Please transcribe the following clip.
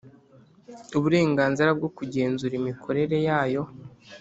uburenganzira bwo kugenzura imikorere yayo